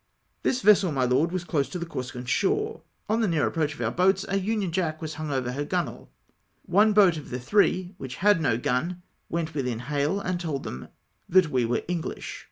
" This vessel, my Lord, was close to the Corsican shore. On the near approach of our boats a union jack was hung over her gunwale. One boat of the three, which had no gun, went within hail, and told them that we were English.